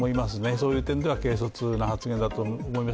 そういう点では軽率な発言だと思います。